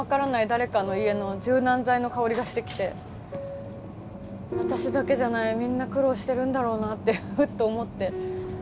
誰かの家の柔軟剤の香りがしてきて私だけじゃないみんな苦労してるんだろうなってふっと思って。